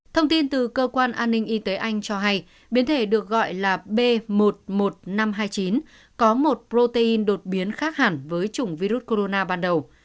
thông tin từ cơ quan an ninh y tế anh cho hay biến thể được gọi là b một mươi một nghìn năm trăm hai mươi chín có một protein đột biến khác hẳn với chủng virus corona ban đầu